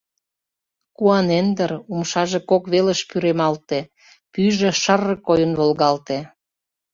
Куанен дыр, умшаже кок велыш пӱремалте, пӱйжӧ шыр-р койын волгалте.